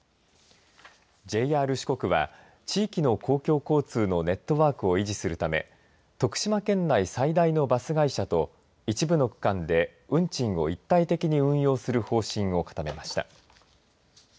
ＪＲ四国は地域の公共交通のネットワークを維持するため徳島県内最大のバス会社と一部の区間で運賃を一体的に運用する方針を固めました。